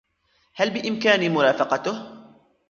هل بإمكاني مرافقته ؟